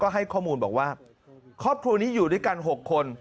ให้ข้อมูลบอกว่าครอบครัวนี้อยู่ด้วยกัน๖คน